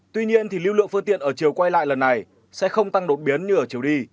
tuy nhiên lưu lượng phương tiện ở chiều quay lại lần này sẽ không tăng đột biến như ở chiều đi